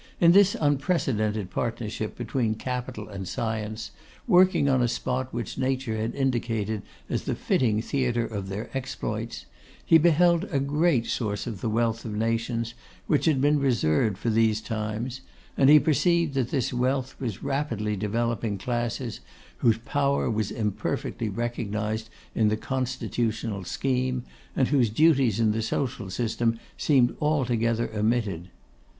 In this unprecedented partnership between capital and science, working on a spot which Nature had indicated as the fitting theatre of their exploits, he beheld a great source of the wealth of nations which had been reserved for these times, and he perceived that this wealth was rapidly developing classes whose power was imperfectly recognised in the constitutional scheme, and whose duties in the social system seemed altogether omitted.